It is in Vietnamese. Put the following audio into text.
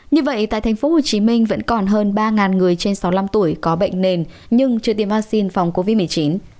như vậy tại tp hcm vẫn còn hơn ba người trên sáu mươi năm tuổi có bệnh nền nhưng chưa tiêm vaccine phòng covid một mươi chín